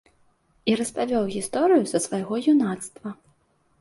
І распавёў гісторыю са свайго юнацтва.